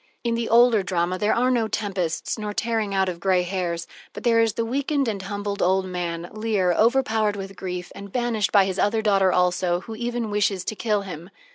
In the older drama there are no tempests nor tearing out of gray hairs, but there is the weakened and humbled old man, Leir, overpowered with grief, and banished by his other daughter also, who even wishes to kill him.